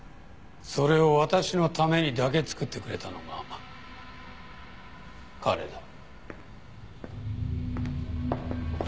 それを私のためにだけ作ってくれたのが彼だ。